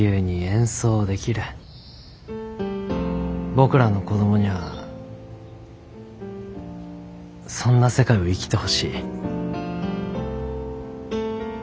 僕らの子供にゃあそんな世界を生きてほしい。